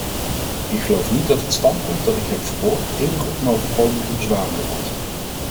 Ik geloof niet dat het standpunt dat ik heb verwoord enige onoverkomelijke bezwaren bevat.